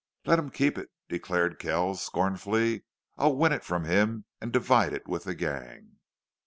"Let him keep it," declared Kells, scornfully. "I'll win it from him and divide it with the gang."